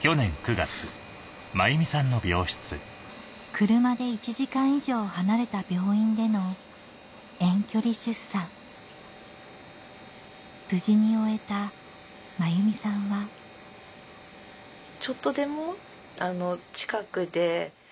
車で１時間以上離れた病院での遠距離出産無事に終えた真弓さんはっていうのは思います。